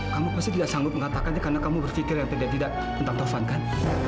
kamu pasti tidak sanggup mengatakannya karena kamu berpikir yang tidak tidak tentang tovan kan